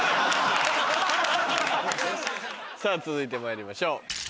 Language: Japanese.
さぁ続いてまいりましょう。